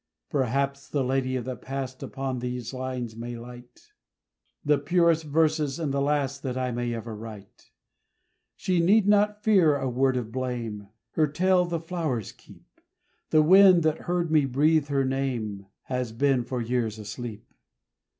Perhaps the lady of the past Upon these lines may light, The purest verses, and the last That I may ever write. She need not fear a word of blame Her tale the flowers keep The wind that heard me breathe her name Has been for years asleep.